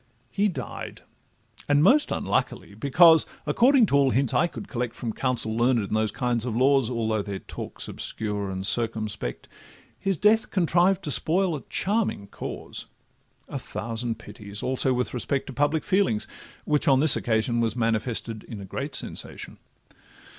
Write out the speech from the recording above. He died: and most unluckily, because, According to all hints I could collect From counsel learned in those kinds of laws (Although their talk 's obscure and circumspect), His death contrived to spoil a charming cause; A thousand pities also with respect To public feeling, which on this occasion Was manifested in a great sensation.